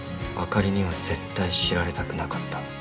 あかりには絶対知られたくなかった。